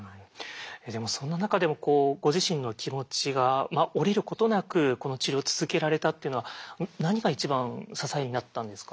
でもそんな中でもこうご自身の気持ちが折れることなくこの治療を続けられたっていうのは何が一番支えになったんですか？